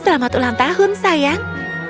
selamat ulang tahun sayang